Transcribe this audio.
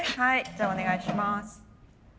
じゃあお願いします。